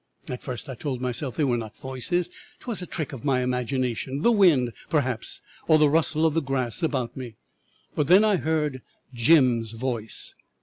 At first I told myself they were not voices, 'twas a trick of my imagination, the wind, perhaps, or the rustle of the grass about me; but then I heard Jim's voice.